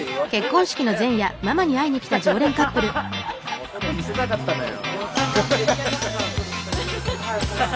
弟見せたかったんだよ。